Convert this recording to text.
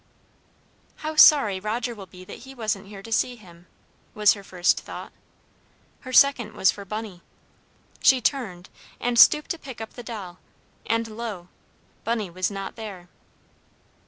"How sorry Roger will be that he wasn't here to see him!" was her first thought. Her second was for Bunny. She turned, and stooped to pick up the doll and lo! Bunny was not there.